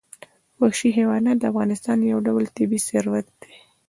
وحشي حیوانات د افغانستان یو ډول طبعي ثروت دی.